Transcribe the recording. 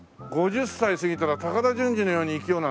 『５０歳を過ぎたら高田純次のように生きよう』